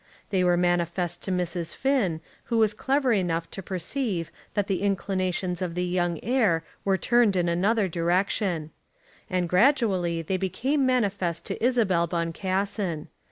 They were manifest to Mrs. Finn, who was clever enough to perceive that the inclinations of the young heir were turned in another direction. And gradually they became manifest to Isabel Boncassen.